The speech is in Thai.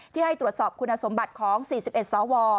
ให้ตรวจสอบคุณสมบัติของ๔๑สว